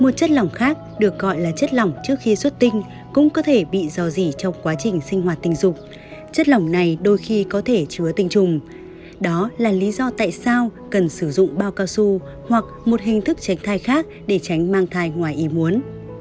một chất lỏng khác được gọi là chất lỏng trước khi xuất tinh cũng có thể bị dò dỉ trong quá trình sinh hoạt tình dục chất lỏng này đôi khi có thể chứa tinh trùng đó là lý do tại sao cần sử dụng bao cao su hoặc một hình thức chạch thai khác để tránh mang thai ngoài ý muốn